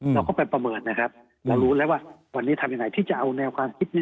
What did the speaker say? เราก็ไปประเมินนะครับเรารู้แล้วว่าวันนี้ทำยังไงที่จะเอาแนวความคิดนี้